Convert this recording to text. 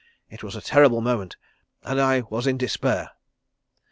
It was a terrible moment and I was in despair.